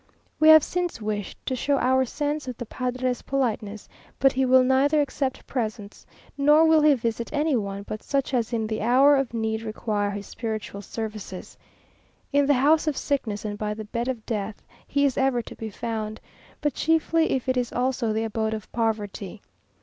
We have since wished to show our sense of the padre's politeness, but he will neither accept presents, nor will he visit any one but such as in the hour of need require his spiritual services. In the house of sickness and by the bed of death he is ever to be found, but chiefly if it is also the abode of poverty.